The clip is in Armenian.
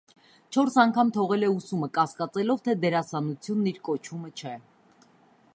Չորս անգամ թողել է ուսումը՝ կասկածելով, թե դերասանությունն իր կոչումը չէ։